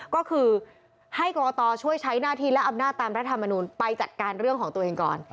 ก็คือให้กรกตช่วยใช้หน้าที่และอำนาจตามรัฐมนูลไปจัดการเรื่องของตัวเองก่อน